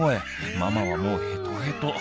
ママはもうヘトヘト。